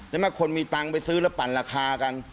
ไหนมักคนมีทางไปซื้อแล้วปั่นราคากัน